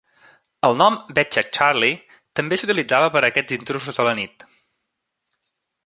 El nom "Bed Check Charlie" també s'utilitzava per a aquests intrusos de la nit.